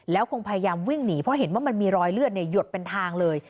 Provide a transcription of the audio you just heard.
แล้วคงพยายามวิ่งหนีเพราะเห็นว่ามันมีรอยเลือดหยดเป็นทางเลย